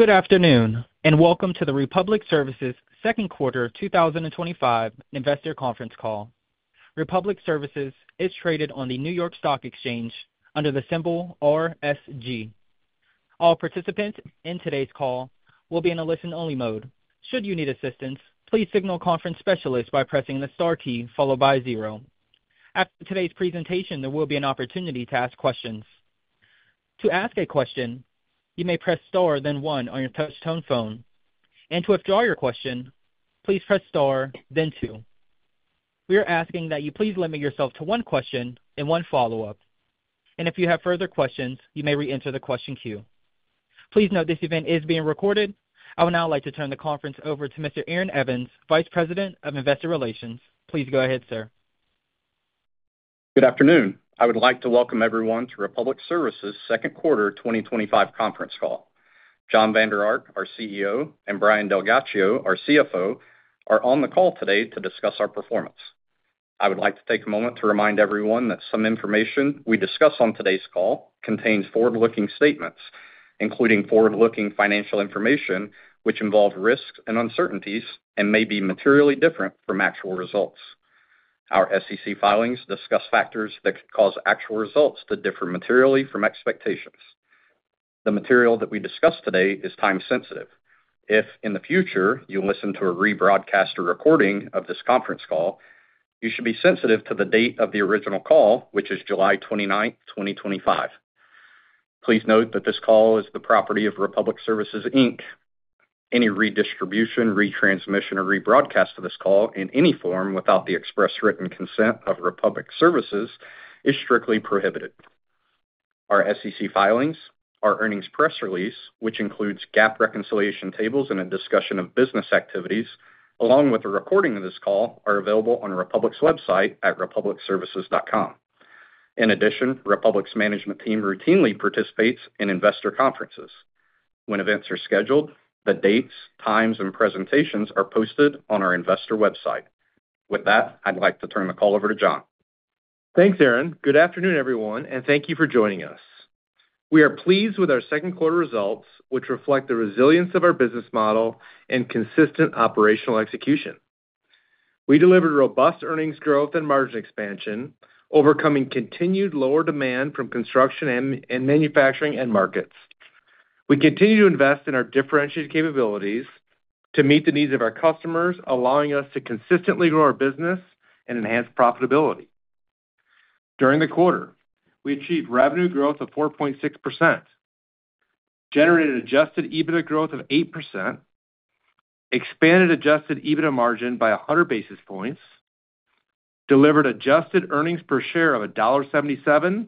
Good afternoon and welcome to the Republic Services Second Quarter 2025 investor conference call. Republic Services is traded on the New York Stock Exchange under the symbol RSG. All participants in today's call will be in a listen only mode. Should you need assistance, please signal conference specialists by pressing the star key followed by zero. After today's presentation there will be an opportunity to ask questions. To ask a question, you may press star then one on your touchtone phone and to withdraw your question please press star then two. We are asking that you please limit yourself to one question and one follow up and if you have further questions you may re enter the question queue. Please note this event is being recorded. I would now like to turn the conference over to Mr. Aaron Evans, Vice President of Investor Relations. Please go ahead, sir. Good afternoon. I would like to welcome everyone to Republic Services Second Quarter 2025 conference call. Jon Vander Ark, our CEO, and Brian DelGhiaccio, our CFO, are on the call today to discuss our performance. I would like to take a moment to remind everyone that some information we discuss on today's call contains forward looking statements, including forward looking financial information which involve risks and uncertainties and may be materially different from actual results. Our SEC filings discuss factors that could cause actual results to differ materially from expectations. The material that we discuss today is time sensitive. If in the future you listen to a rebroadcast or recording of this conference call, you should be sensitive to the date of the original call which is July 29, 2025. Please note that this call is the property of Republic Services, Inc. Any redistribution, retransmission or rebroadcast of this call in any form without the express written consent of Republic Services is strictly prohibited. Our SEC filings, our earnings press release, which includes GAAP reconciliation tables and a discussion of business activities along with a recording of this call are available on Republic's website at republicservices.com. In addition, Republic's management team routinely participates in investor conferences when events are scheduled. The dates, times and presentations are posted on our investor website. With that, I'd like to turn the call over to Jon. Thanks, Aaron. Good afternoon everyone and thank you for joining us. We are pleased with our Second Quarter results which reflect the resilience of our business model and consistent operational execution. We delivered robust earnings growth and margin expansion, overcoming continued lower demand from construction manufacturing end markets. We continue to invest in our differentiated capabilities to meet the needs of our customers, allowing us to consistently grow our business and enhance profitability. During the quarter we achieved revenue growth of 4.6%, generated adjusted EBITDA growth of 8%, expanded adjusted EBITDA margin by 100 basis points, delivered adjusted earnings per share of $1.77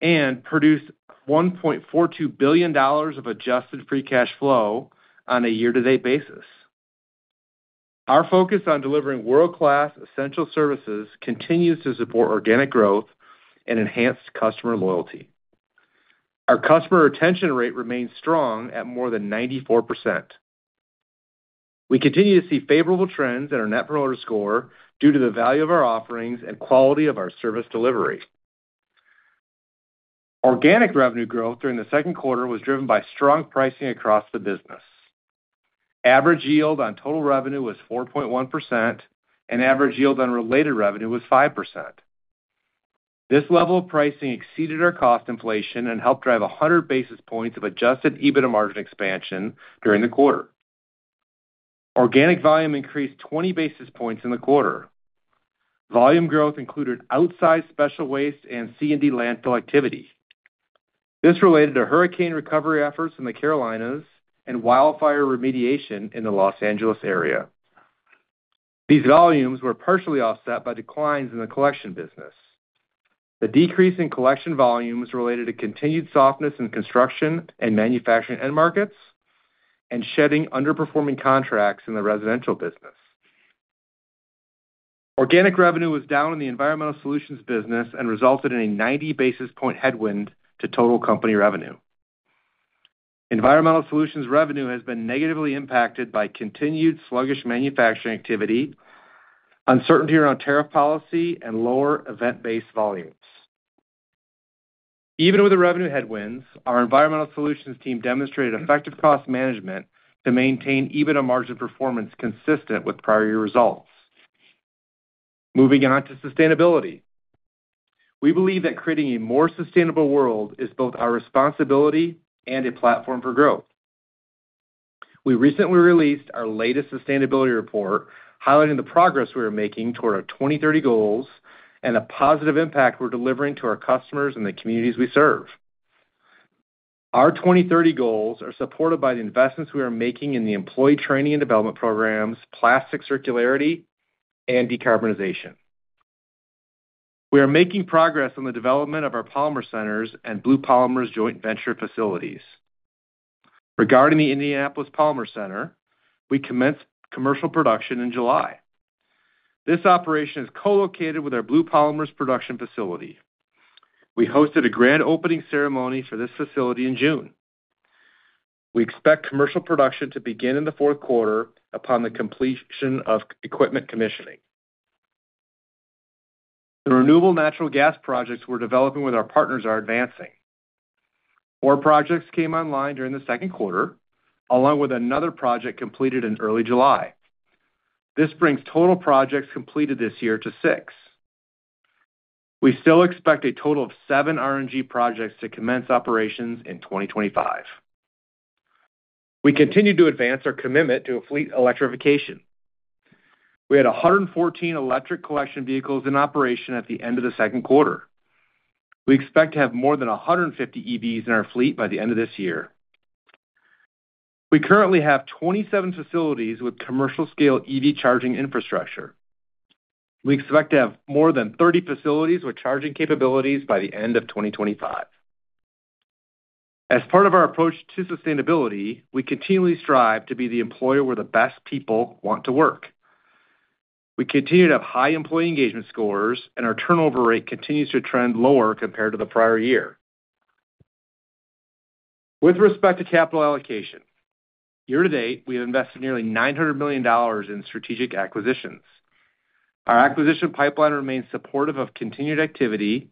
and produced $1.42 billion of adjusted free cash flow on a year to date basis. Our focus on delivering world class essential services continues to support organic growth and enhanced customer loyalty. Our customer retention rate remains strong at more than 94%. We continue to see favorable trends in our net promoter score due to the value of our offerings and quality of our service delivery. Organic revenue growth during the second quarter was driven by strong pricing across the business. Average yield on total revenue was 4.1% and average yield on related revenue was 5%. This level of pricing exceeded our cost inflation and helped drive 100 basis points of adjusted EBITDA margin expansion during the quarter. Organic volume increased 20 basis points in the quarter. Volume growth included outside special waste and C&D landfill activity. This related to hurricane recovery efforts in the Carolinas and wildfire remediation in the Los Angeles area. These volumes were partially offset by declines in the collection business. The decrease in collection volumes related to continued softness in construction and manufacturing end markets, and shedding underperforming contracts in the residential business. Organic revenue was down in the environmental solutions business and resulted in a 90 basis point headwind to total company revenue. Environmental solutions revenue has been negatively impacted by continued sluggish manufacturing activity, uncertainty around tariff policy and lower event based volumes. Even with the revenue headwinds, our environmental solutions team demonstrated effective cost management to maintain EBITDA margin performance consistent with prior year results. Moving on to sustainability, we believe that creating a more sustainable world is both our responsibility and a platform for growth. We recently released our latest sustainability report highlighting the progress we are making toward our 2030 goals and a positive impact we're delivering to our customers and the communities we serve. Our 2030 goals are supported by the investments we are making in the employee training and development programs, plastic circularity, and decarbonization. We are making progress on the development of our Polymer Centers and Blue Polymers joint venture facilities. Regarding the Indianapolis Polymer Center, we commenced commercial production in July. This operation is co-located with our Blue Polymers production facility. We hosted a grand opening ceremony for this facility in June. We expect commercial production to begin in the Fourth Quarter upon the completion of equipment commissioning. The renewable natural gas projects we're developing with our partners are advancing. Four projects came online during the Second Quarter along with another project completed in early July. This brings total projects completed this year to six. We still expect a total of seven RNG projects to commence operations in 2025. We continue to advance our commitment to fleet electrification. We had 114 electric collection vehicles in operation at the end of the second quarter. We expect to have more than 150 EVs in our fleet by the end of this year. We currently have 27 facilities with commercial scale EV charging infrastructure. We expect to have more than 30 facilities with charging capabilities by the end of 2025. As part of our approach to sustainability, we continually strive to be the employer where the best people want to work. We continue to have high employee engagement scores and our turnover rate continues to trend lower compared to the prior year. With respect to capital allocation, year to date we have invested nearly $900 million in strategic acquisitions. Our acquisition pipeline remains supportive of continued activity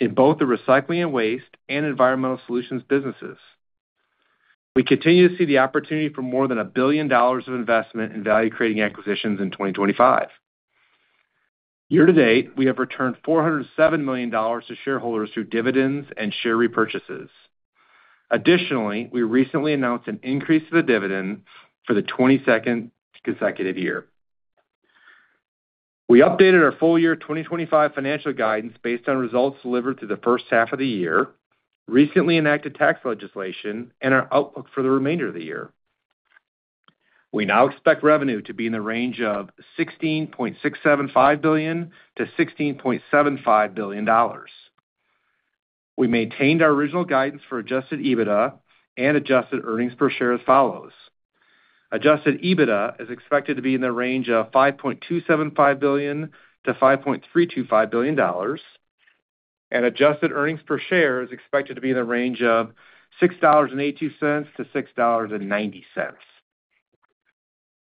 in both the recycling and waste and environmental solutions businesses. We continue to see the opportunity for more than $1 billion of investment in value creating acquisitions in 2025. Year to date, we have returned $407 million to shareholders through dividends and share repurchases. Additionally, we recently announced an increase of the dividend for the 22nd consecutive year. We updated our full year 2025 financial guidance based on results delivered through the first half of the year, recently enacted tax legislation, and our outlook for the remainder of the year. We now expect revenue to be in the range of $16.675 billion to $16.75 billion. We maintained our original guidance for adjusted EBITDA and adjusted earnings per share as follows. Adjusted EBITDA is expected to be in the range of $5.275 billion to $5.325 billion, and adjusted earnings per share is expected to be in the range of $6.82 to $6.90.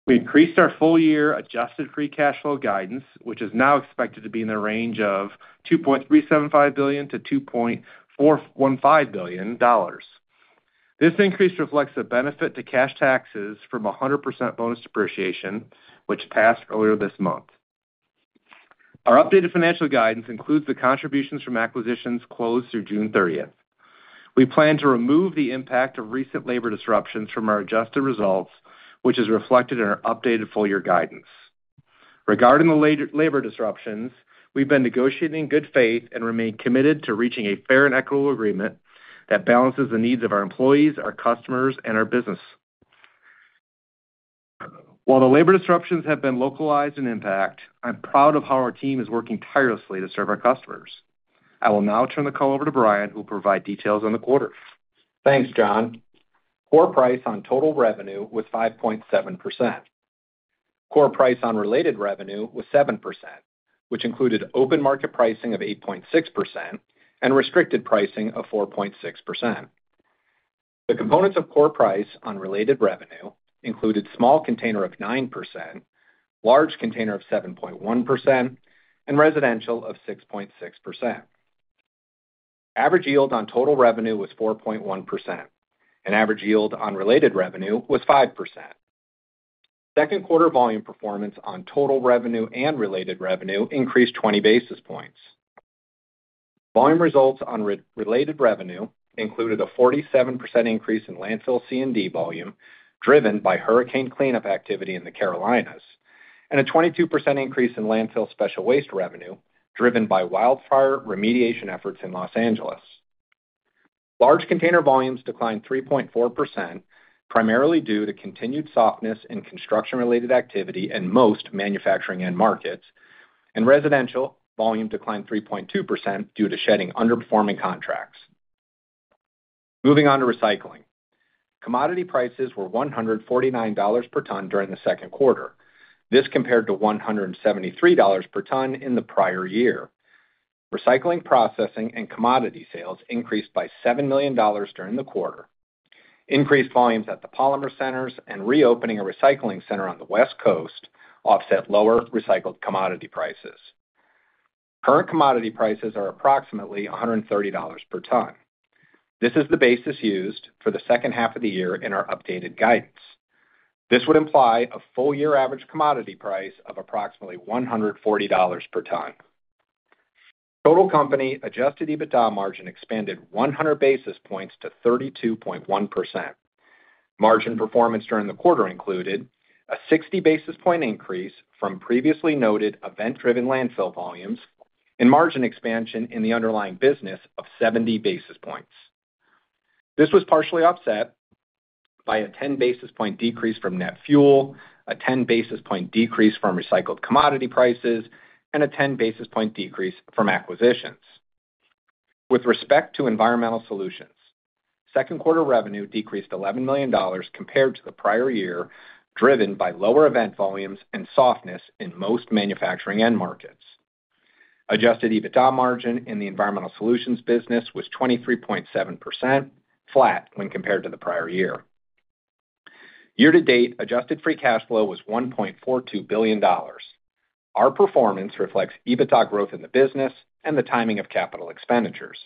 We increased our full year adjusted free cash flow guidance which is now expected to be in the range of $2.375 billion to $2.415 billion. This increase reflects the benefit to cash taxes from 100% bonus depreciation which passed earlier this month. Our updated financial guidance includes the contributions from acquisitions closed through June 30. We plan to remove the impact of recent labor disruptions from our adjusted results, which is reflected in our updated full year guidance. Regarding the labor disruptions., we've been negotiating in good faith and remain committed to reaching a fair and equitable agreement that balances the needs of our employees, our customers and our business. While the labor disruptions have been localized in impact, I'm proud of how our team is working tirelessly to serve our customers. I will now turn the call over to Brian who will provide details on the quarter. Thanks, John. Core price on total revenue was 5.7%, core price on related revenue was 7%, which included open market pricing of 8.6% and restricted pricing of 4.6%. The components of core price on related revenue included small container of 9%, large container of 7.1%, and residential of 6.6%. Average yield on total revenue was 4.1% and average yield on related revenue was 5%. Second Quarter volume performance on total revenue and related revenue increased 20 basis points. Volume results on related revenue included a 47% increase in landfill construction and demolition volume driven by hurricane cleanup activity in the Carolinas and a 22% increase in landfill special waste revenue driven by wildfire remediation efforts in Los Angeles. Large container volumes declined 3.4% primarily due to continued softness in construction related activity in most manufacturing end markets, and residential volume declined 3.2% due to shedding underperforming contracts. Moving on to recycling, commodity prices were $149 per ton during the Second Quarter. This compared to $173 per ton in the prior year. Recycling, processing, and commodity sales increased by $7 million during the quarter. Increased volumes at the polymer centers and reopening a recycling center on the West Coast offset lower recycled commodity prices. Current commodity prices are approximately $130 per ton. This is the basis used for the second half of the year in our updated guidance. This would imply a full year average commodity price of approximately $140 per ton. Total company adjusted EBITDA margin expanded 100 basis points to 32.1%. Margin performance during the quarter included a 60 basis point increase from previously noted event-driven landfill volumes and margin expansion in the underlying business of 70 basis points. This was partially offset by a 10 basis point decrease from net fuel, a 10 basis point decrease from recycled commodity prices, and a 10 basis point decrease from acquisitions. With respect to Environmental Solutions, second quarter revenue decreased $11 million compared to the prior year driven by lower event volumes and softness in most manufacturing end markets. Adjusted EBITDA margin in the Environmental Solutions business was 23.7%, flat when compared to the prior year. Year to date adjusted free cash flow was $1.42 billion. Our performance reflects EBITDA growth in the business and the timing of capital expenditures.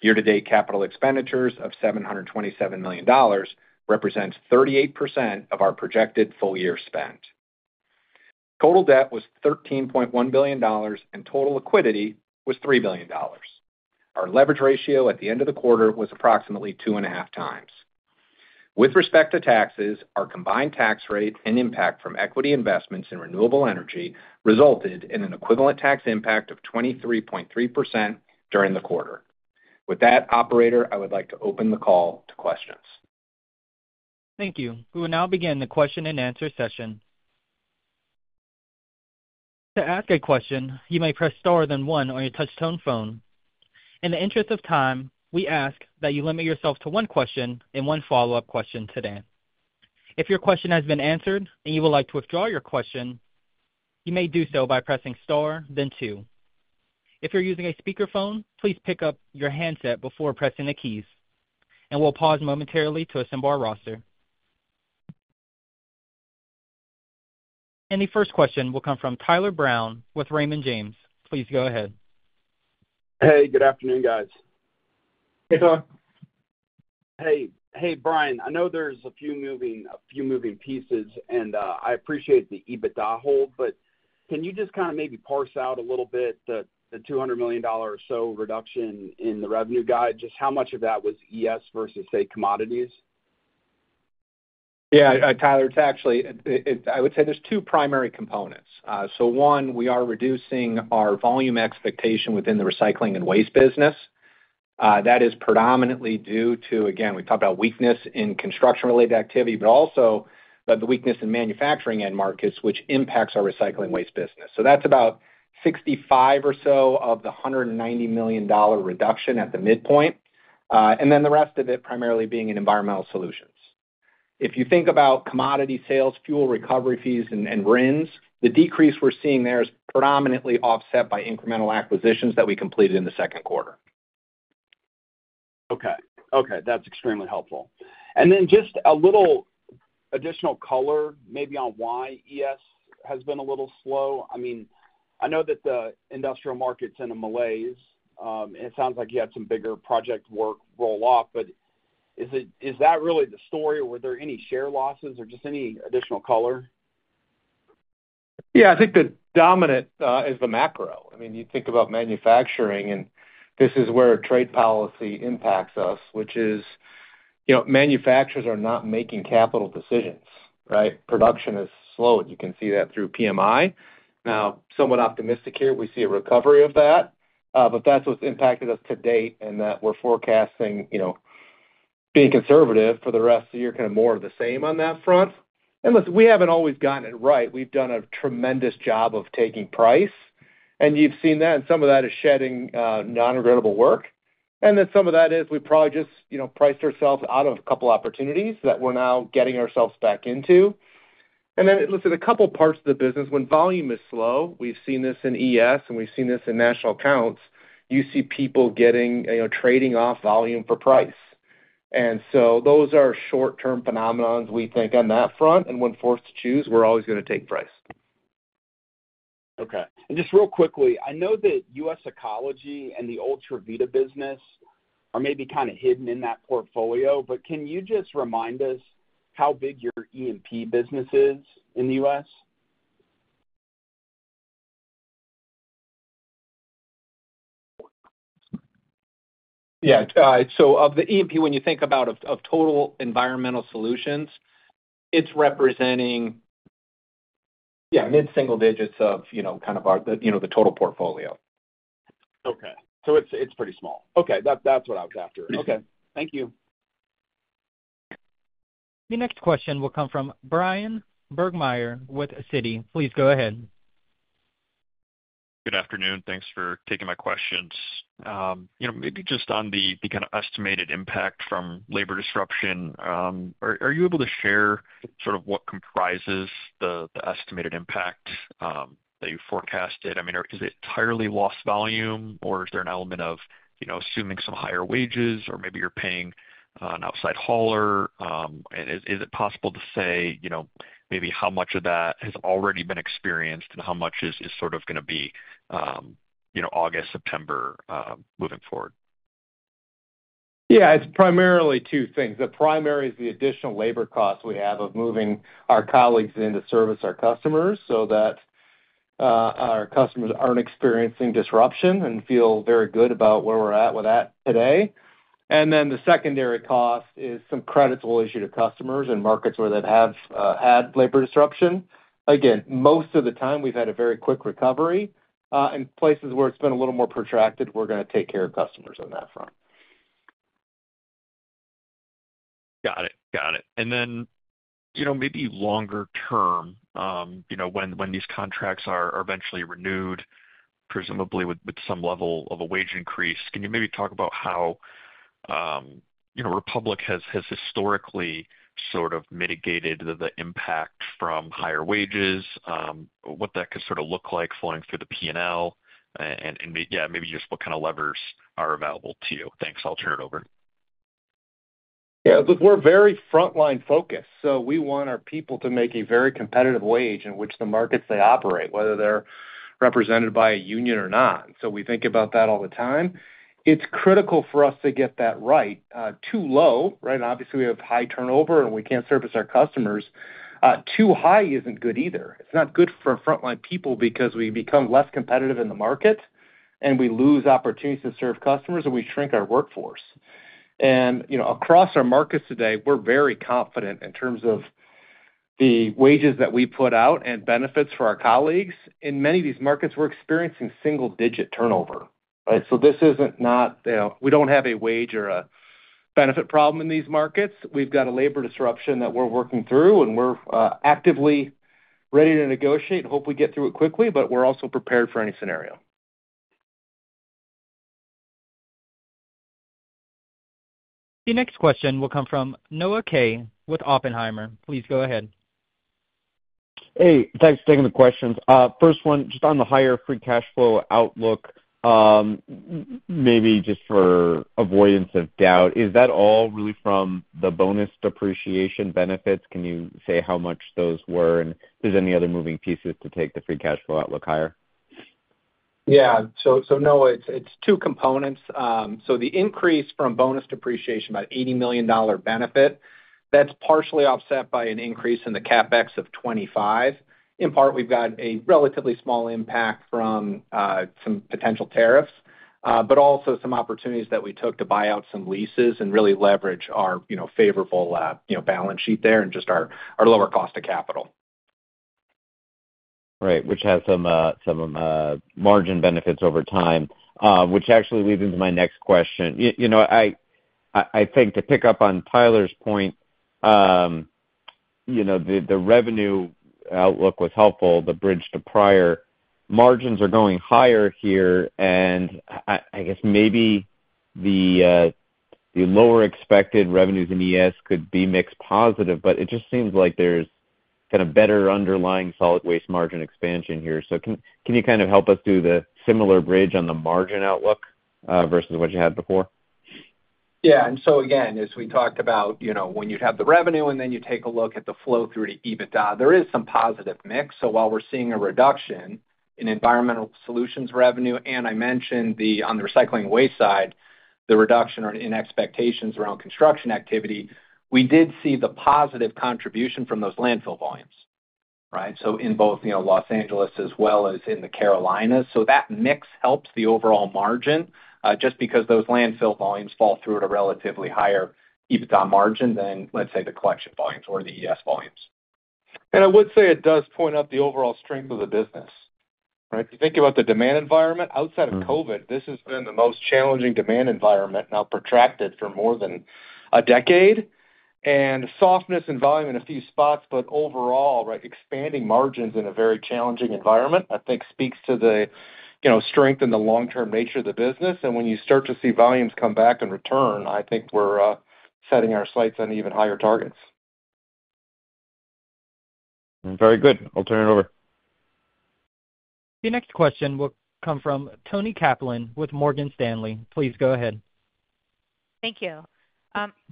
Year to date capital expenditures of $727 million represents 38% of our projected full year spend. Total debt was $13.1 billion and total liquidity was $3 billion. Our leverage ratio at the end of the quarter was approximately 2.5 times. With respect to taxes, our combined tax rate and impact from equity investments in renewable energy resulted in an equivalent tax impact of 23.3% during the quarter. With that, operator, I would like to open the call to questions. Thank you. We will now begin the question and answer session. To ask a question, you may press star then one on your touchtone phone. In the interest of time, we ask that you limit yourself to one question and one follow up question today. If your question has been answered and you would like to withdraw your question, you may do so by pressing star then two. If you're using a speakerphone, please pick up your handset before pressing the keys. We'll pause momentarily to assemble our roster. The first question will come from Tyler Brown with Raymond James. Please go ahead. Hey, good afternoon, guys. It's on. Hey. Hey, Brian. I know there's a few moving pieces and I appreciate the EBITDA hold, but can you just kind of maybe parse out a little bit the $200 million or so reduction in the revenue guide, just how much of that was ES versus say commodities? Yeah, Tyler, it's actually, I would say there's two primary components. One, we are reducing our volume expectation within the recycling and waste business. That is predominantly due to, again, we talked about weakness in construction related activity, but also the weakness in manufacturing end markets which impacts our recycling waste business. That's about $65 million or so of the $190 million reduction at the midpoint. The rest of it primarily being in environmental solutions. If you think about commodity sales, fuel recovery fees and RINs, the decrease we're seeing there is predominantly offset by incremental acquisitions that we completed in the second quarter. Okay, okay, that's extremely helpful. Then just a little additional color maybe on why ES has been a little slow. I mean, I know that the industrial market's in a malaise. It sounds like you had some bigger project work roll off, but is that really the story or were there any share losses or just any additional color? Yeah, I think the dominant is the macro. I mean, you think about manufacturing and this is where trade policy impacts, which is, you know, manufacturers are not making capital decisions. Right? Production is slowed. You can see that through PMI. Now somewhat optimistic here. We see a recovery of that, but that's what's impacted us to date and that we're forecasting, you know, being conservative for the rest of the year. Kind of more of the same on that front. Listen, we haven't always gotten it right. We've done a tremendous job of taking price and you've seen that. Some of that is shedding non-regrettable work. Some of that is we probably just priced ourselves out of a couple opportunities that we're now getting ourselves back into. A couple parts of the business when volume is slow. We've seen this in ES and we've seen this in national accounts. You see people getting trading off volume for price. Those are short term phenomenons, we think, on that front. When forced to choose, we're always. Okay. And just real quickly, I know that US Ecology and the Ultra Vida business are maybe kinda hidden in that portfolio, but can you just remind us how big your E&P business is in the U.S.? Yeah. So of the E&P, when you think about of total Environmental Solutions, it's representing, yeah, mid single digits of, you know, kind of our, you know, the total portfolio. Okay. It's pretty small. Okay, that's what I was after. Okay, thank you. The next question will come from Bryan Burgmeier with Citi. Please go ahead. Good afternoon. Thanks for taking my questions. You know, maybe just on the kind of estimated impact from labor disruption, are you able to share sort of what comprises the estimated impact that you forecasted? I mean, is it entirely lost volume or is there an element of, you know, assuming some higher wages or maybe you're paying an outside hauler? Is it possible to say, you know, maybe how much of that has already been experienced and how much is sort of going to be, you know, August, September, moving forward? Yeah, it's primarily two things. The primary is the additional labor costs we have of moving our colleagues in to service our customers so that our customers aren't experiencing disruption and feel very good about where we're at with that today. The secondary cost is some credits we'll issue to customers in markets where they have had labor disruption. Again, most of the time we've had a very quick recovery. In places where it's been a little more protracted, we're going to take care of customers on that front. Got it, got it. Maybe longer term, when these contracts are eventually renewed, presumably with some level of a wage increase. Can you maybe talk about how Republic has historically mitigated the impact from higher wages, what that could look like flowing through the P&L and maybe just what kind of levers are available to you? Thanks, I'll turn it over. Yeah, look, we're very frontline focused. We want our people to make a very competitive wage in the markets they operate, whether they're represented by a union or not. We think about that all the time. It's critical for us to get that right. Too low, right, obviously we have high turnover and we can't service our customers. Too high isn't good either. It's not good for frontline people because we become less competitive in the market and we lose opportunities to serve customers and we shrink our workforce. You know, across our markets today we're very confident in terms of the wages that we put out and benefits for our colleagues. In many of these markets we're experiencing single-digit turnover. Right. This isn't, not, we don't have a wage or a benefit problem in these markets. We've got a labor disruption that we're working through and we're actively ready to negotiate and hope we get through it quickly. We're also prepared for any scenario. The next question will come from Noah Kaye with Oppenheimer. Please go ahead. Hey, thanks for taking the questions. First one, just on the higher free cash flow outlook, maybe just for avoidance of doubt, is that all really from the bonus depreciation benefits, can you say how much those were and if there's any other moving pieces to take the free cash flow outlook higher? Yeah, so no, it's two components. So the increase from bonus depreciation, about $80 million benefit, that's partially offset by an increase in the CapEx of $25 million. In part, we've got a relatively small impact from some potential tariffs, but also some opportunities that we took to buy out some leases and really leverage our favorable balance sheet there and just our lower cost of capital. Right. Which has some margin benefits over time. Which actually leads into my next question. I think to pick up on Tyler's point. The revenue outlook was helpful. The bridge to prior margins are going higher here, and I guess maybe the lower expected revenues in ES could be mixed positive. It just seems like there's kind of better underlying solid waste margin expansion here. Can you kind of help us do the similar bridge on the margin outlook versus what you had before? Yeah. As we talked about, when you have the revenue and then you take a look at the flow through to EBITDA, there is some positive mix. While we're seeing a reduction in environmental solutions revenue, and I mentioned on the recycling waste side the reduction in expectations around construction activity, we did see the positive contribution from those landfill volumes. Right in both, you know, Los Angeles as well as in the Carolinas, that mix helps the overall margin just because those landfill volumes fall through at a relatively higher EBITDA margin than, let's say, the collection volumes or the ES volumes. I would say it does point out the overall strength of the business. Right? You think about the demand environment outside of COVID, this has been the most challenging demand environment, now protracted for more than a decade, and softness in volume in a few spots. Overall, expanding margins in a very challenging environment, I think, speaks to the strength and the long-term nature of the business. When you start to see volumes come back and return, I think we're setting our sights on even higher targets. Very good. I'll turn it over. The next question will come from Toni Kaplan with Morgan Stanley. Please go ahead. Thank you.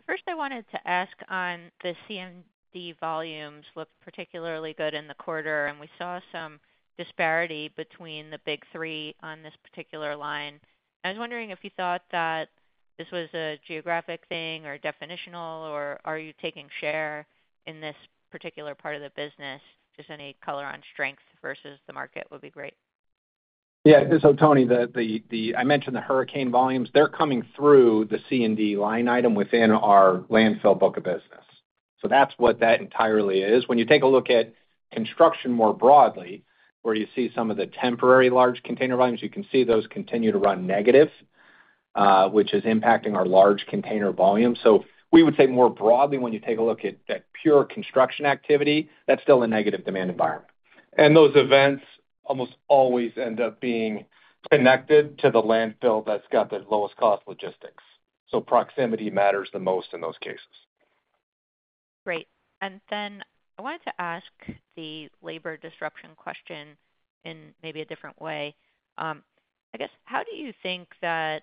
First, I wanted to ask on the C&D, volumes looked particularly good in the quarter and we saw some disparity between the big three on this particular line. I was wondering if you thought that this was a geographic thing or definitional or are you taking share in this particular part of the business? Just any color on strength versus the market would be great. Yeah. Toni, I mentioned the hurricane volumes. They're coming through the C&D line item within our landfill book of business. That's what that entirely is. When you take a look at construction more broadly, where you see some of the temporary large container volumes, you can see those continue to run negative, which is impacting our large container volume. We would say more broadly, when you take a look at pure construction activity, that's still a negative demand environment. Those events almost always end up being connected to the landfill that's got the lowest cost logistics. Proximity matters the most in those cases. Great. I wanted to ask the labor disruption question in maybe a different way, I guess, how do you think that?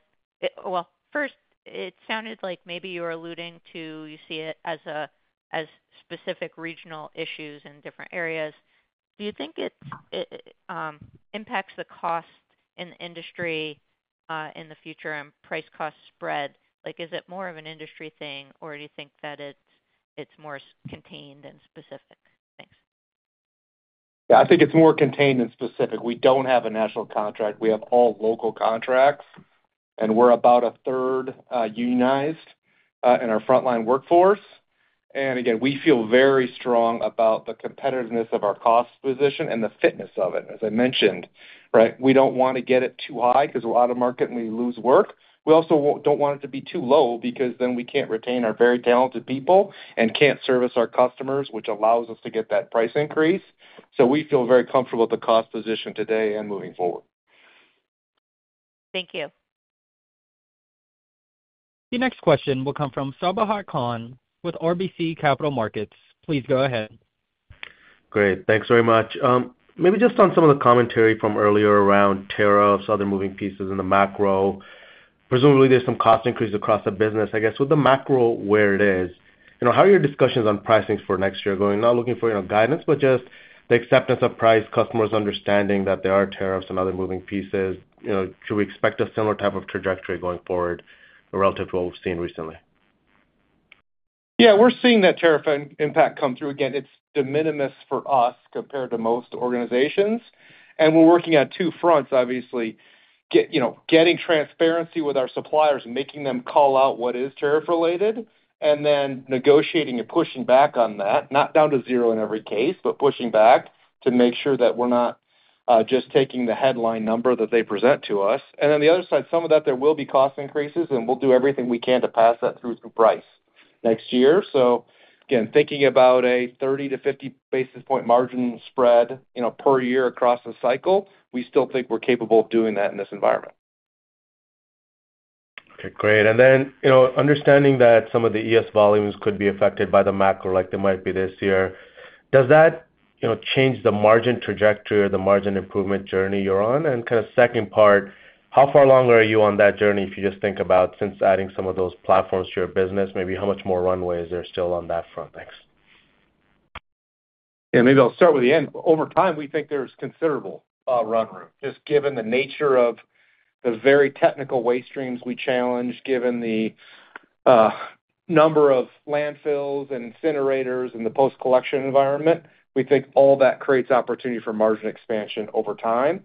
First, it sounded like maybe you were alluding to. You see it as a specific regional issue in different areas. Do you think it impacts the cost in the industry in the future and price cost spread? Is it more of an industry thing or do you think that it's more contained and specific? Thanks. Yeah, I think it's more contained and specific. We don't have a national contract. We have all local contracts and we're about a third unionized in our frontline workforce. Again, we feel very strong about the competitiveness of our cost position and the fitness of it, as I mentioned. Right. We don't want to get it too high because we're out of market and we lose work. We also don't want it to be too low because then we can't retain our very talented people and can't service our customers, which allows us to get that price increase. We feel very comfortable with the cost position today and moving forward. Thank you. The next question will come from Sabahat Khan with RBC Capital Markets. Please go ahead. Great, thanks very much. Maybe just on some of the commentary from earlier around tariffs. Other moving pieces in the macro, presumably there's some cost increase across the business, I guess with the macro where it is. How are your discussions on pricing for next year going? Not looking for guidance, but just the acceptance of price customers, understanding that there are tariffs and other moving features. Should we expect a similar type of trajectory going forward relative to what we've seen recently? Yeah, we're seeing that tariff impact come through. Again, it's de minimis for us compared to most organizations. We're working on two fronts, obviously getting transparency with our suppliers, making them call out what is tariff related and then negotiating and pushing back on that. Not down to zero in every case, but pushing back to make sure that we're not just taking the headline number that they present to us. On the other side, some of that there will be cost increases and we'll do everything we can to pass that through through price next year. Again, thinking about a 30 to 50 basis point margin spread, you know, per year across the cycle, we still think we're capable of doing that in this environment. Okay, great. Understanding that some of the ES volumes could be affected by the macro like they might be this year, does that change the margin trajectory or the margin improvement journey you're on? Kind of second part, how far along are you on that journey? If you just think about since adding some of those platforms to your business, maybe how much more runway is there still on that front? Thanks. Yeah, maybe I'll start with the end. Over time we think there's considerable run room. Just given the nature of the very technical waste streams we challenged, given the number of landfills and incinerators in the post collection environment, we think all that creates opportunity for margin expansion over time.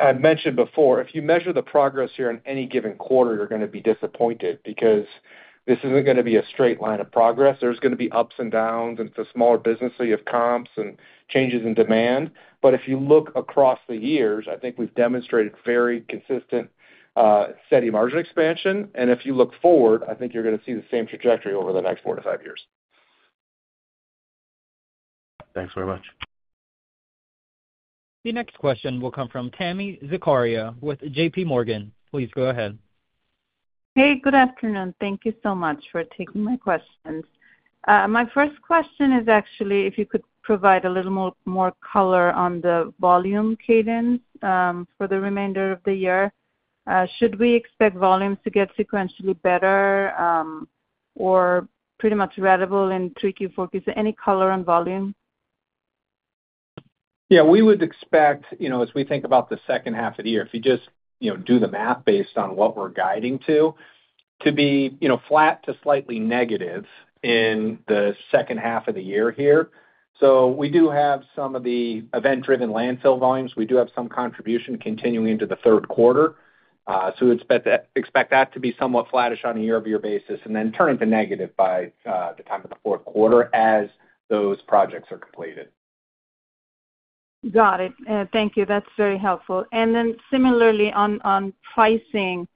I mentioned before, if you measure the progress here in any given quarter, you're going to be disappointed because this isn't going to be a straight line of progress. There's going to be ups and downs and it's a smaller business. You have comps and changes in demand. If you look across the years, I think we've demonstrated very consistent steady margin expansion. If you look forward, I think you're going to see the same trajectory over the next four to five years. Thanks very much. The next question will come from Tami Zakaria with JPMorgan. Please go ahead. Hey, good afternoon. Thank you so much for taking my questions. My first question is actually if you could provide a little more color on the volume cadence for the remainder of the year, should we expect volumes to get sequentially better or pretty much rattable in 3Q, 4Q any color on volume? Yeah, we would expect, you know, as we think about the second half of the year, if you just, you know, do the math based on what we're guiding to, to be, you know, flat to slightly negative in the second half of the year here. We do have some of the event-driven landfill volumes. We do have some contribution continuing into the third quarter. We expect that to be somewhat flattish on a year-over-year basis and then turn into negative by the time of the fourth quarter as those projects are completed. Got it, thank you, that's very helpful. And then similarly on pricing,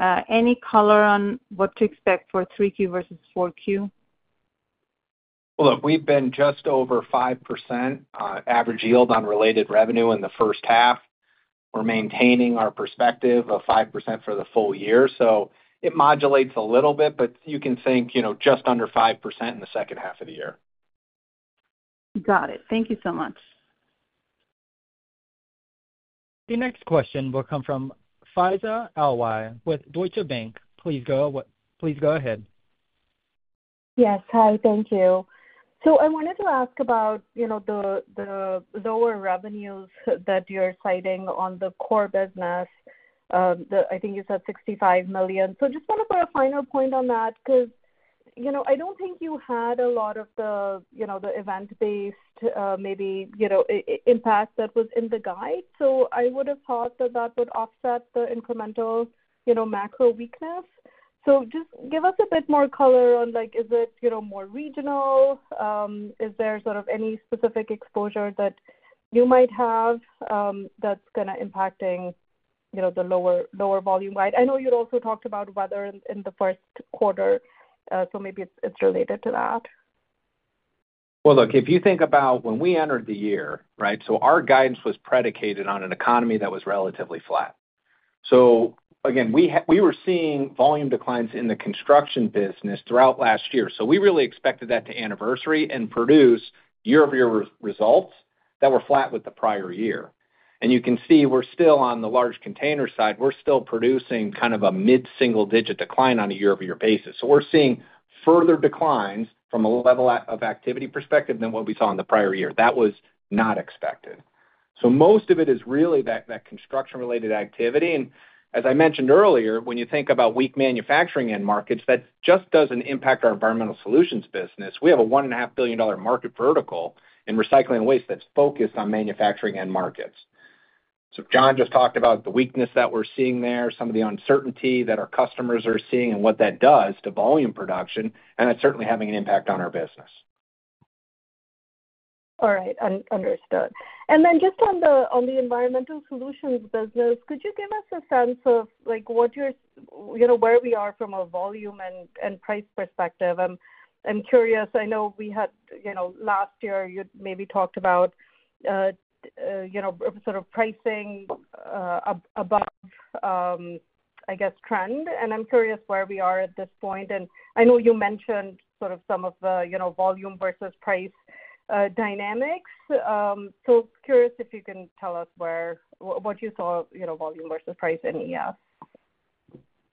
any color on what to expect for 3Q versus 4Q? Look, we've been just over 5% average yield on related revenue in the first half. We're maintaining our perspective of 5% for the full year. It modulates a little bit but you can think, you know, just under 5% in the second half of the year. Got it. Thank you so much. The next question will come from Faiza Alwy with Deutsche Bank. Please go ahead. Yes, hi. Thank you. I wanted to ask about the lower revenues that you're citing on the core business. I think you said $65 million. I just want to put a final point on that because I don't think you had a lot of the event-based maybe impact that was in the guide. I would have thought that that would offset the incremental macro weakness. Just give us a bit more color on, like, is it more regional? Is there any specific exposure that you might have that's impacting the lower volume guide? I know you'd also talked about weather in the firs quarter, so maybe it's related to that. If you think about when we entered the year, right, our guidance was predicated on an economy that was relatively flat. Again, we were seeing volume declines in the construction business throughout last year. We really expected that to anniversary and produce year over year results that were flat with the prior year. You can see we're still on the large container side, we're still producing kind of a mid single digit decline on a year over year basis. We're seeing further declines from a level of activity perspective than what we saw in the prior year that was not expected. Most of it is really that construction related activity. As I mentioned earlier, when you think about weak manufacturing end markets, that just does not impact our environmental solutions business. We have a $1.5 billion market vertical in recycling waste that's focused on manufacturing end markets. Jon just talked about the weakness that we're seeing there, some of the uncertainty that our customers are seeing and what that does to volume production, and it's certainly having an impact on our business. All right, understood. Then just on the environmental solutions business, could you give us a sense of like what your, you know, where we are from a volume and price perspective? I'm curious, I know we had, you know, last year you maybe talked about, you know, sort of pricing above, I guess, trend and I'm curious where we are at this point and I know you mentioned sort of some of the volume versus price dynamics. Curious if you can tell us what you saw, volume versus price in ES.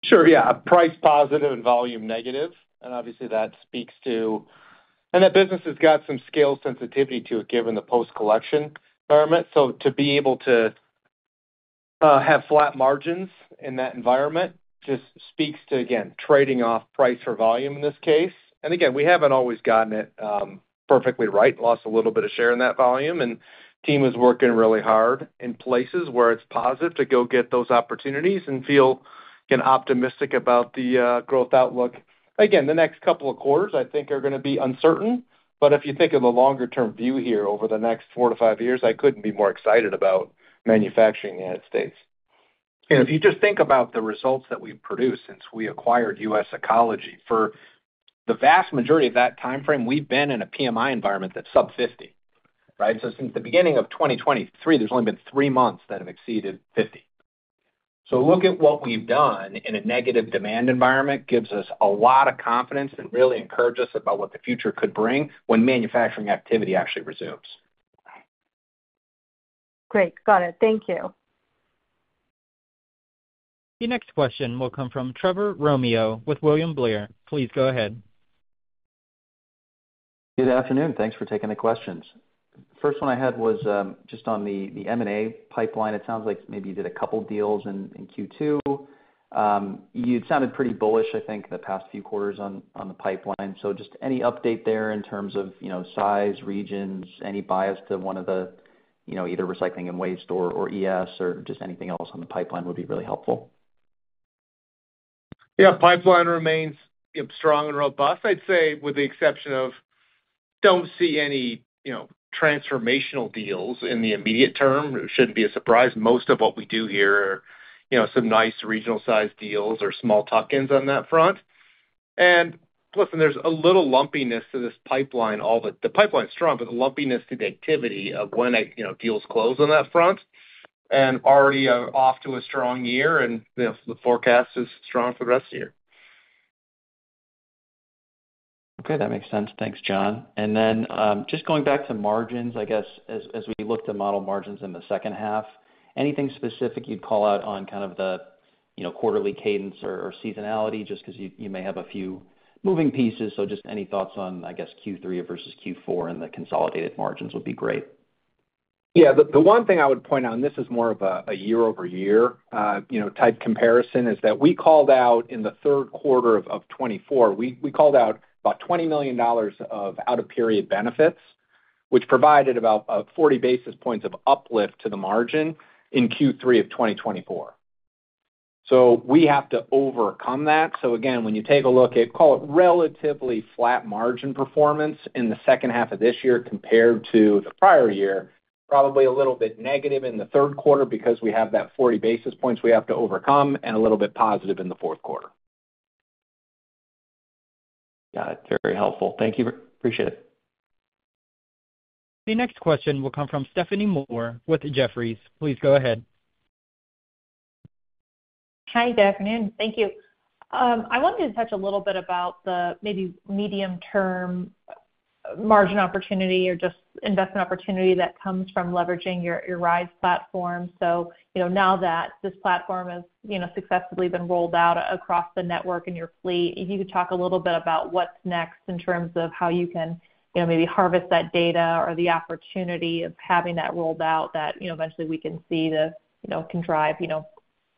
Sure, yeah. Price positive and volume negative, and obviously that speaks to, and that business has got some scale sensitivity to it given the post collection environment. To be able to have flat margins in that environment just speaks to, again, trading off price for volume in this case. Again, we have not always gotten it perfectly right, lost a little bit of share in that volume and team is working really hard in places where it's positive to go get those opportunities and feel optimistic about the growth outlook. Again, the next couple of quarters I think are going to be uncertain. If you think of the longer term view here over the next four to five years, I couldn't be more excited about manufacturing in the United States. If you just think about the results that we've produced since we acquired US Ecology, for the vast majority of that timeframe we've been in a PMI environment that's sub 50. Right. Since the beginning of 2023 there have only been three months that have exceeded 50. Look at what we have done in a negative demand environment. It gives us a lot of confidence and really encourages us about what the future could bring when manufacturing activity actually resumes. Great, got it, thank you. The next question will come from Trevor Romeo with William Blair. Please go ahead. Good afternoon. Thanks for taking the questions. First one I had was just on the M&A pipeline. It sounds like maybe you did a couple deals in Q2. You sounded pretty bullish, I think the past few quarters on the pipeline. Just any update there in terms of size, regions, any bias to one of the either recycling and waste or ES or just anything else on the pipeline would be really helpful. Yeah, pipeline remains strong and robust, I'd say with the exception of don't see any transformational deals in the immediate term. It shouldn't be a surprise most of what we do here are some nice regional sized deals or small tuck ins on that front. Listen, there's a little lumpiness to this pipeline. The pipeline is strong, but the lumpiness to the activity of when deals close on that front and already off to a strong year and the forecast is strong for the rest of the year. Okay, that makes sense. Thanks, Jon. Just going back to margins, I guess as we look to model margins in the second half, anything specific you'd call out on kind of the quarterly cadence or seasonality just because you may have a few moving pieces? Just any thoughts on, I guess, Q3 versus Q4 and the consolidated margins would be great. Yeah. The one thing I would point out, and this is more of a year over year type comparison, is that we called out in third quarter 2024, we called out about $20 million of out of period benefits which provided about 40 basis points of uplift to the margin in Q3 of 2024. We have to overcome that. Again, when you take a look at, call it relatively flat margin performance in the second half of this year compared to the prior year, probably a little bit negative in the third quarter because we have that 40 basis points we have to overcome and a little bit positive in the fourth quarter. Got it. Very helpful, thank you. Appreciate it. The next question will come from Stephanie Moore with Jefferies. Please go ahead. Hi, good afternoon. Thank you. I wanted to touch a little bit about the maybe medium term margin opportunity or just investment opportunity that comes from leveraging your RISE platform. So, you know, now that this platform has, you know, successfully been rolled out across the network and your fleet, if you could talk a little bit about what's next in terms of how you can, you know, maybe harvest that data or the opportunity of having that rolled out that, you know, eventually we can see that, you know, can drive, you know,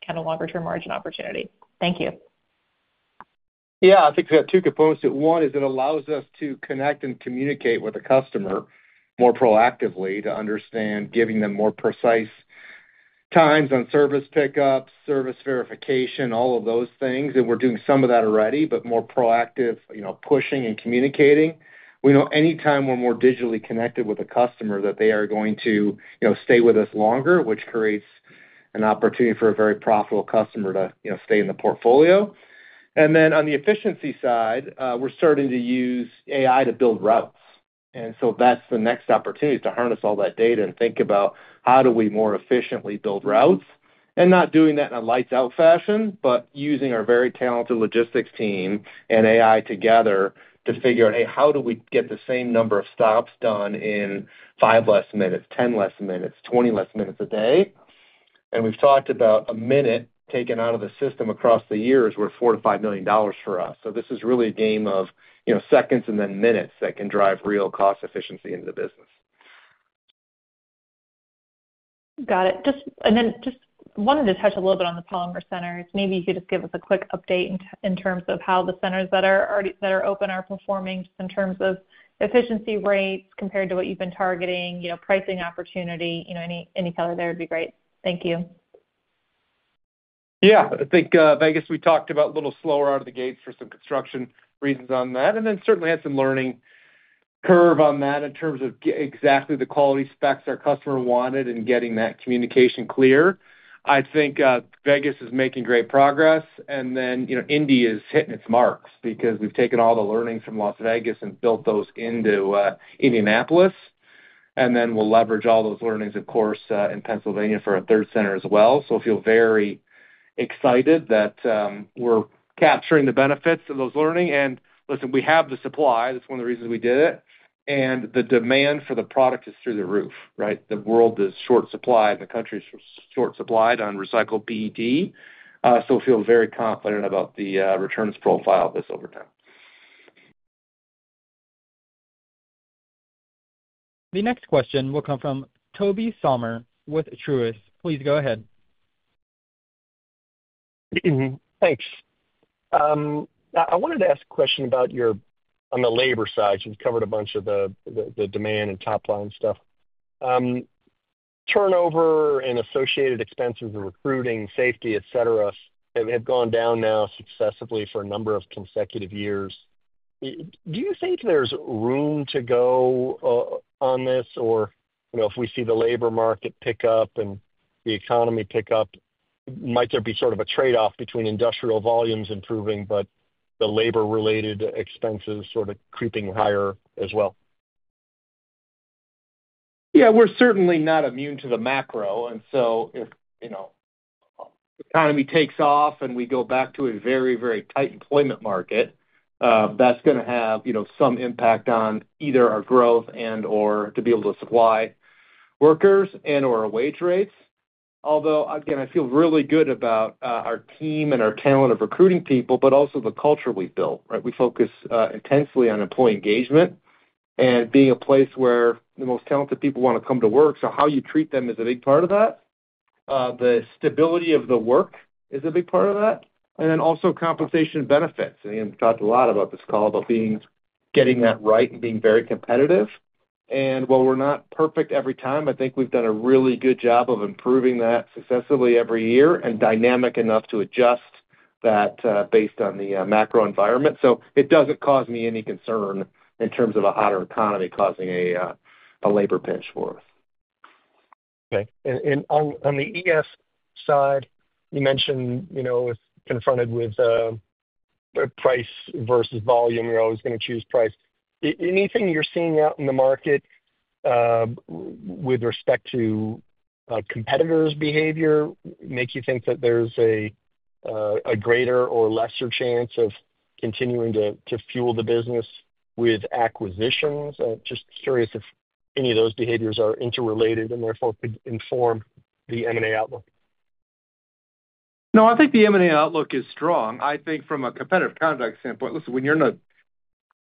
kind of longer term margin opportunity. Thank you. Yeah, I think we have two components to it. One is it allows us to connect and communicate with the customer more proactively to understand, giving them more precise times on service pickups, service verification, all of those things. We're doing some of that already, but more proactive, you know, pushing and communicating. We know anytime we're more digitally connected with a customer that they are going to, you know, stay with us longer, which creates an opportunity for a very profitable customer to stay in the portfolio. On the efficiency side, we're starting to use AI to build routes. That's the next opportunity to harness all that data and think about how do we more efficiently build routes, and not doing that in a lights out fashion, but using our very talented logistics team AI together to figure out how do we get the same number of stops done in five less minutes, 10 less minutes, 20 less minutes a day. We have talked about a minute taken out of the system across the years being worth $4 million to $5 million for us. This is really a game of seconds and then minutes that can drive real cost efficiency into the business. Got it. I just wanted to touch a little bit on the Polymer Centers. Maybe you could just give us a quick update in terms of how the centers that are open are performing in terms of efficiency rates compared to what you've been targeting. Pricing opportunity, any color there would be great. Thank you. Yeah, I think Vegas we talked about a little slower out of the gates for some construction reasons on that and then certainly had some learning curve on that in terms of exactly the quality specs our customer wanted and getting that communication clear. I think Vegas is making great progress. You know, Indy is hitting its marks because we've taken all the learnings from Las Vegas and built those into Indianapolis and then we'll leverage all those learnings, of course, in Pennsylvania for a third center as well. I feel very excited that we're capturing the benefits of those learning. And listen, we have the supply. That's one of the reasons we did it. The demand for the product is through the roof, right? The world is short supply. The country's short supplied on recycled PET. So we feel very confident about the returns profile of this over time. The next question will come from Tobey Sommer with Truist. Please go ahead. Thanks. I wanted to ask a question about your, on the labor side, you've covered a bunch of the demand and top line stuff. Turnover and associated expenses of recruiting, safety, et cetera have gone down now successively for a number of consecutive years. Do you think there's room to go on this? Or if we see the labor market pick up and the economy pick up, might there be sort of a trade off between industrial volumes improving but the labor related expenses sort of creeping higher as well. Yeah, we're certainly not immune to the macro. And so if, you know, economy takes off and we go back to a very, very tight employment market that's going to have, you know, some impact on either our growth and or to be able to supply workers and or wage rates. Although again, I feel really good about our team and our talent of recruiting people. But also the culture we built, right? We focus intensely on employee engagement and being a place where the most talented people want to come to work. So how you treat them is a big part of that. The stability of the work is a big part of that. And then also compensation benefits. And we've talked a lot about this call about getting that right and being very competitive. And while we're not perfect every time, I think we've done a really good job of improving that successively every year and dynamic enough to adjust that based on the macro environment, so it doesn't cause me any concern in terms of a hotter economy causing a labor pitch for us. Okay. On the ES side you mentioned confronted with price versus volume, you're always going to choose price. Anything you're seeing out in the market with respect to competitors' behavior make you think that there's a greater or lesser chance of continuing to fuel the business with acquisitions? Just curious if any of those behaviors are interrelated and therefore could inform the M&A outlook? No, I think the M&A outlook is strong. I think from a competitive conduct standpoint. Listen, when you're in a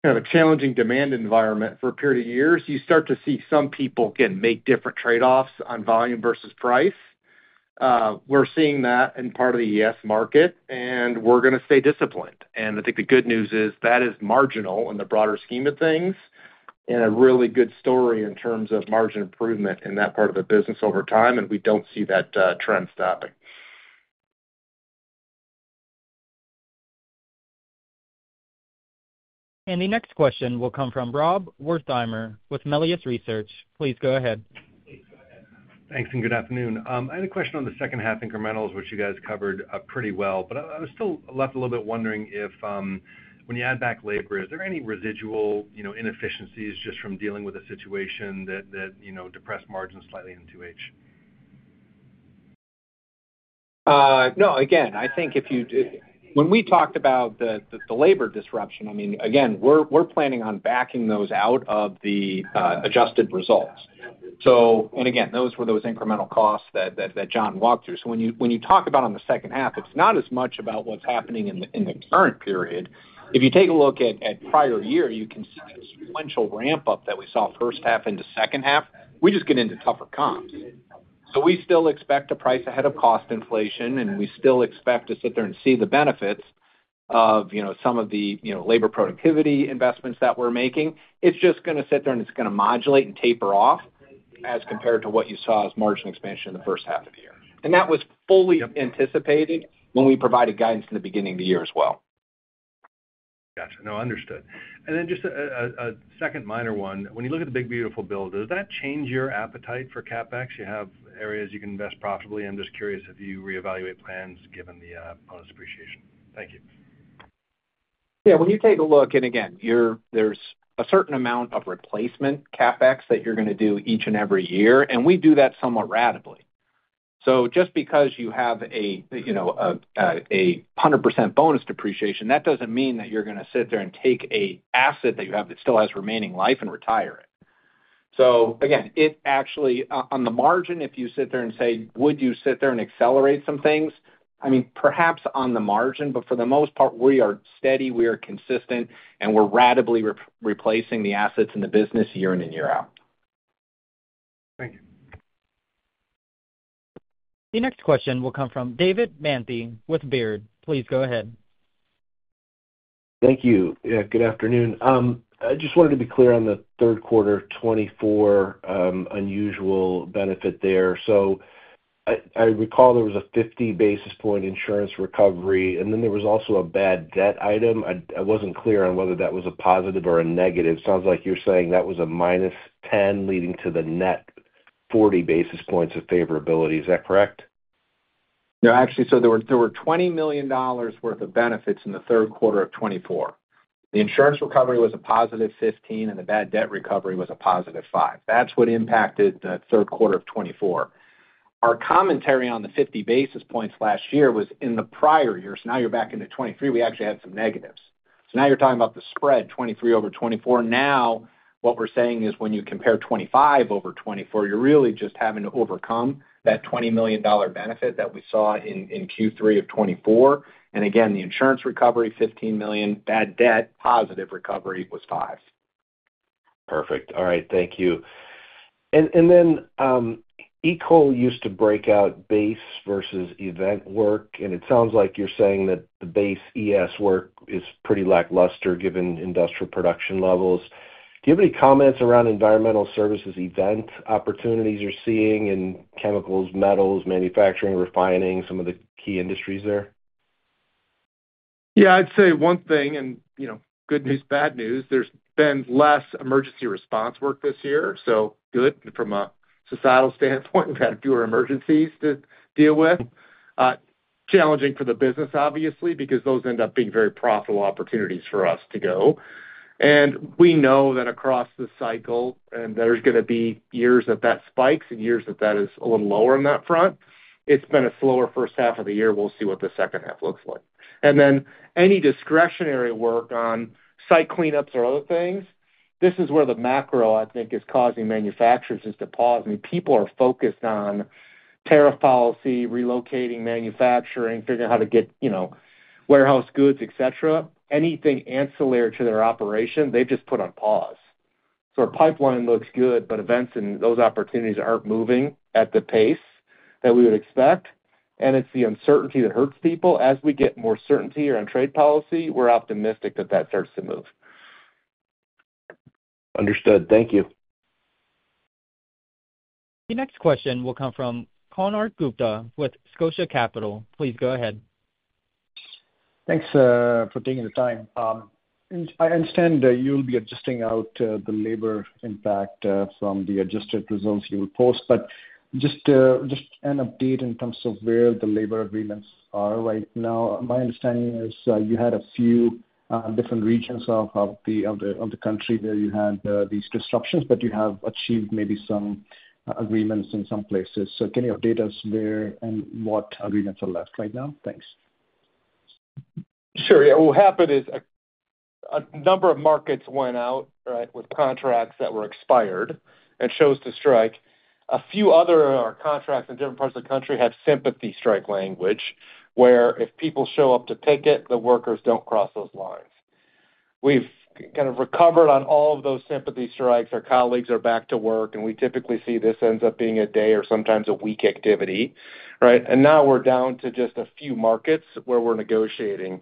kind of a challenging demand environment for a period of years, you start to see some people can make different trade-offs on volume versus price. We're seeing that in part of the ES market and we're going to stay disciplined. I think the good news is that is marginal in the broader scheme of things. A really good story in terms of margin improvement in that part of the business over time and we don't see that trend stopping. The next question will come from Rob Wertheimer with Melius Research. Please go ahead. Thanks and good afternoon. I had a question on the second half incrementals which you guys covered pretty well. I was still left a little bit wondering if when you add back labor, is there any residual inefficiencies just from dealing with a situation that depressed margins slightly in 2H? No. Again, I think if you. When we talked about the labor disruption, I mean again we're planning on backing those out of the adjusted results and again, those were those incremental costs that Jon walked through. When you talk about on the second half, it's not as much about what's happening in the current period. If you take a look at prior year, you can see when she ramp up that we saw first half into second half, we just get into tougher comps. We still expect to price ahead of cost inflation and we still expect to sit there and see the benefits of, you know, some of the, you know, labor productivity investments that we're making. It's just going to sit there. It's going to modulate and taper off as compared to what you saw as margin expansion in the first half of the year. That was fully anticipated when we provided guidance in the beginning of the year as well. Gotcha. No, understood. And then just a second minor one. When you look at the big beautiful bill, does that change your appetite for CapEx? You have areas you can invest profitably. I'm just curious if you reevaluate plans given the bonus depreciation. Thank you. Yeah. When you take a look and again there's a certain amount of replacement CapEx that you're going to do each and every year and we do that somewhat ratably. So just because you have a 100% bonus depreciation, that doesn't mean that you're going to sit there and take asset that you have that still has remaining life and retire it. Again, it actually on the margin, if you sit there and say, would you sit there and accelerate some things? I mean, perhaps on the margin, but for the most part we are steady, we are consistent, and we're ratably replacing the assets in the business year in and year out. Thank you. The next question will come from David Manthey with Baird. Please go ahead. Thank you. Good afternoon. I just wanted to be clear on the third quarter 2024 unusual benefit there. I recall there was a 50 basis point insurance recovery and then there was also a bad debt item. I was not clear on whether that was a positive or a negative. It sounds like you're saying that was a minus 10 leading to the net 40 basis points of favorability, is that correct? No, actually there were $20 million worth of benefits in 3Q 2024. The insurance recovery was a positive $15 million and the bad debt recovery was a positive $5 million. That is what impacted 3Q 2024. Our commentary on the 50 basis points last year was in the prior year. Now you are back into 2023. We actually had some negatives. Now you are talking about the spread 2023 over 2024. What we are saying is when you compare 2025 over 2024, you are really just having to overcome that $20 million benefit that we saw in Q3 of 2024. Again, the insurance recovery, $15 million, bad debt positive recovery was $5 million. Perfect. All right, thank you. ECoL used to break out base versus event work. It sounds like you're saying that the base ES work is pretty lackluster given industrial production levels. Do you have any comments around environmental services event opportunities you're seeing in chemicals, metals manufacturing, refining, some of the key industries there? Yeah, I'd say one thing and, you know, good news, bad news. There's been less emergency response work this year, so good, from a societal standpoint, we've had fewer emergencies to deal with. Challenging for the business, obviously, because those end up being very profitable opportunities for us to go. We know that across the cycle and there's going to be years that that spikes and years that that is a little lower on that front. It's been a slower first half of the year. We'll see what the second half looks like. Any discretionary work on site cleanups or other things, this is where the macro, I think, is causing manufacturers to pause. I mean, people are focused on tariff policy, relocating, manufacturing, figuring out how to get, you know, warehouse goods, et cetera. Anything ancillary to their operation they've just put on pause. Our pipeline looks good, but events and those opportunities aren't moving at the pace that we would expect. It's the uncertainty that hurts people. As we get more certainty around trade policy, we're optimistic that that starts to move. Understood. Thank you. The next question will come from Konark Gupta with Scotiabank Capital. Please go ahead. Thanks for taking the time. I understand you'll be adjusting out the labor impact from the adjusted results you will post, but just an update in terms of where the labor agreements are right now. My understanding is you had a few different regions of the country where you had these disruptions, but you have achieved maybe some agreements in some places. Can you update us where and what agreements are left right now? Thanks. Sure. Yeah. What happened is a number of markets went out with contracts that were expired and chose to strike. A few other contracts in different parts of the country have sympathy strike language where if people show up to picket, the workers do not cross those lines. We have kind of recovered on all of those sympathy strikes. Our colleagues are back to work. We typically see this ends up being a day or sometimes a week activity. Right? Now we are down to just a few markets where we are negotiating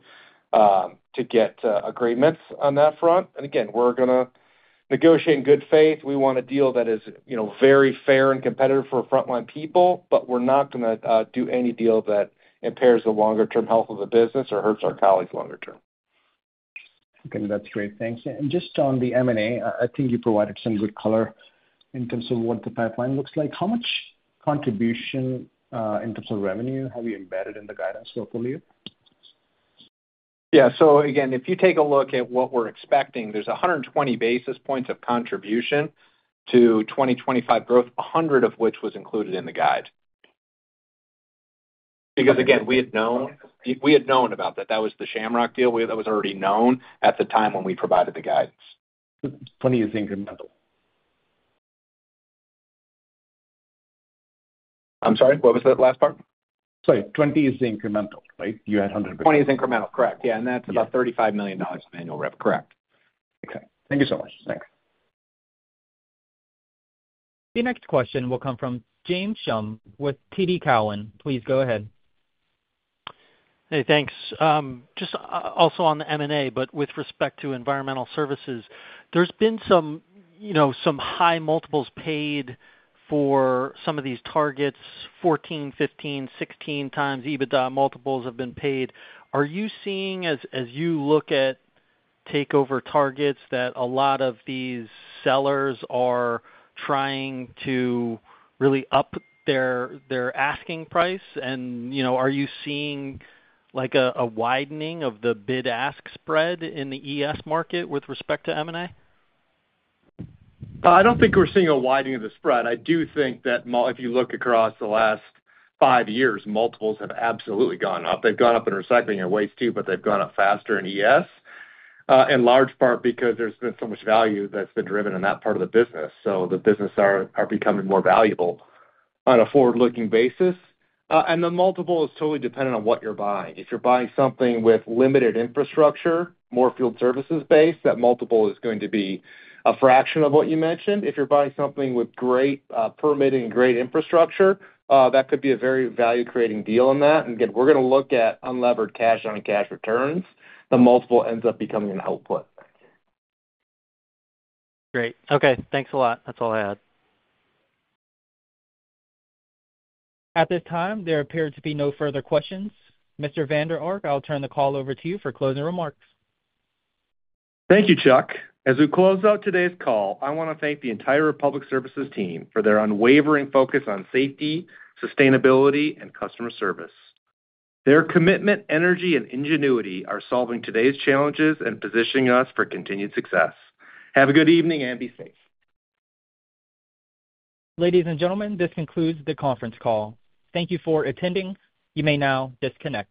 to get agreements on that front. Again, we are going to negotiate in good faith. We want a deal that is, you know, very fair and competitive for frontline people. We are not going to do any deal that impairs the longer term health of the business or hurts our colleagues longer term. Okay, that is great, thanks. Just on the M&A, I think you provided some good color in terms of what the pipeline looks like. How much contribution in terms of revenue have you embedded in the guidance portfolio? Yeah, so again, if you take a look at what we're expecting, there's 120 basis points of contribution to 2025 growth, 100 of which was included in the guide. Because again we had known about that. That was the Shamrock deal. That was already known at the time when we provided the guidance. 20 is incremental. I'm sorry, what was that last part? Sorry, 20 is incremental. Right? You had 100... $20 is incremental, correct? Yeah, that's about $35 million of annual rep. Correct. Thank you so much. Thanks. The next question will come from James Schumm with TD Cowen. Please go ahead. Hey, thanks. Just also on the M&A, but with respect to environmental services, there's been some, you know, some high multiples paid for some of these targets 14, 15, 16 times EBITDA multiples have been paid. Are you seeing as you look at takeover targets that a lot of these sellers are trying to really up their asking price? Are you seeing a widening of the bid ask spread in the ES market with respect to M&A? I do not think we're seeing a widening of the spread. I do think that if you look across the last five years, multiples have absolutely gone up. They've gone up in recycling and waste too, but they've gone up faster in ES in large part because there's been so much value that's been driven in that part of the business. The businesses are becoming more valuable on a forward looking basis. The multiple is totally dependent on what you're buying. If you're buying something with limited infrastructure, more field services based, that multiple is going to be a fraction of what you mentioned. If you're buying something with great permitting, great infrastructure, that could be a very value creating deal in that. Again, we're going to look at unlevered cash on cash returns. The multiple ends up becoming an output. Great. Okay. Thanks a lot. That's all I had. At this time. There appear to be no further questions. Mr. Vander Ark, I'll turn the call over to you for closing remarks. Thank you, Chuck. As we close out today's call, I want to thank the entire Republic Services team for their unwavering focus on safety, sustainability and customer service. Their commitment, energy and ingenuity are solving today's challenges and positioning us for continued success. Have a good evening and be safe. Ladies and gentlemen, this concludes the conference call. Thank you for attending. You may now disconnect.